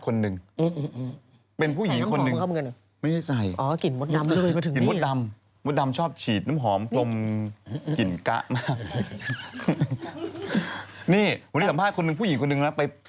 อ๋อกลิ่นมดดำเลยมาถึงนี่